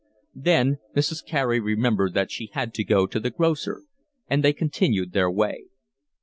Then Mrs. Carey remembered that she had to go to the grocer, and they continued their way.